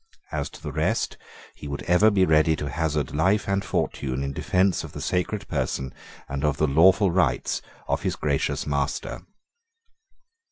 As to the rest he would ever be ready to hazard life and fortune in defence of the sacred person and of the lawful rights of his gracious master.